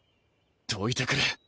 どいてくれ。